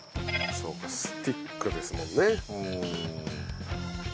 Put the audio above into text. そうかスティックですもんね。